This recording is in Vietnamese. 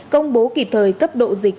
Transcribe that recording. công bố kịp thời cấp độ dịch